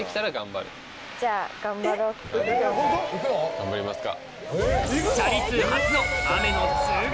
頑張りますか。